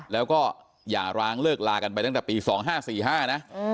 แล้วก็อย่าร้างเลิกลากันไปตั้งแต่ปี๒๕๔๕นะ